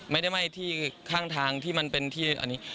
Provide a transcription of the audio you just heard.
ไม่ได้ไหม้ที่ข้างทางที่มันเป็นที่อันนี้